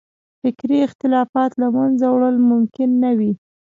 فکري اختلافات له منځه وړل ممکن نه وي.